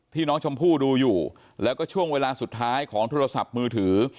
น้องชมพู่ดูอยู่แล้วก็ช่วงเวลาสุดท้ายของโทรศัพท์มือถือ